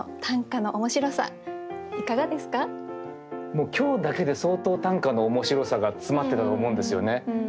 もう今日だけで相当短歌の面白さが詰まってたと思うんですよね。